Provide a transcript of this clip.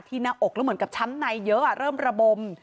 หน้าอกแล้วเหมือนกับช้ำในเยอะเริ่มระบม